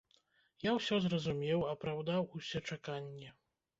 Я ўсё зразумеў, апраўдаў усе чаканні.